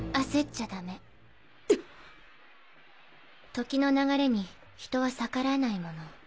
時の流れに人は逆らえないもの。